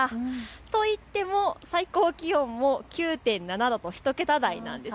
といっても最高気温も９．７度と１桁台なんです。